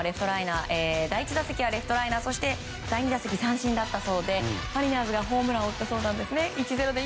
第１打席はレフトライナー第２打席は三振だったそうでマリナーズがホームランを打ったそうなんです。